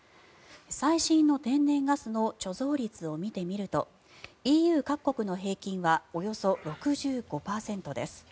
最新の天然ガスの貯蔵率を見てみるとＥＵ各国の平均はおよそ６５％です。